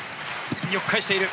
よく返している。